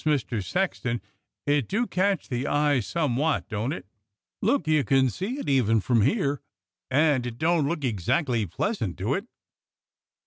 Mister Sexton, it do catch the eye some wot, don't it? Look, you can see it even from here, and it don't look exactly pleasant, do it?"